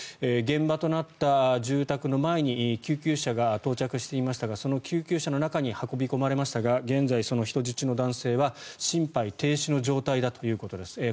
現場となった住宅の前に救急車が到着していましたがその救急車の中に運び込まれましたが現在、その人質の男性は心肺停止の状態ということです。